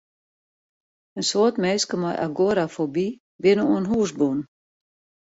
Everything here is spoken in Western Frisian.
In soad minsken mei agorafoby binne oan hûs bûn.